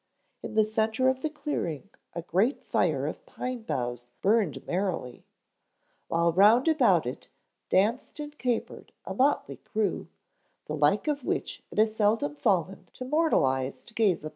In the centre of the clearing a great fire of pine boughs burned merrily, while round about it danced and capered a motley crew, the like of which it has seldom fallen to mortal eyes to gaze upon.